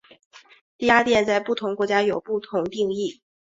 低压电在不同国家有不同定义。